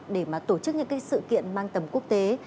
để mà tổ chức những cái sự kiện mang tầm quốc tế